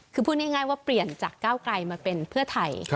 คือพูดง่ายว่าเปลี่ยนจากก้าวไกลมาเป็นเพื่อไทย